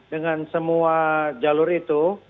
dengan semua jalur itu